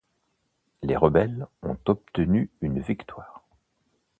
Les rebelles ont obtenu une victoire.